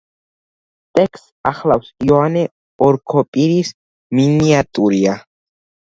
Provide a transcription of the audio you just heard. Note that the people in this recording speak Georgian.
ტექსტს ახლავს იოანე ოქროპირის მინიატიურა.